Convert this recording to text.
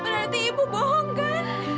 berarti ibu bohong kan